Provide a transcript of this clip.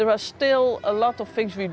apakah dia berbahagia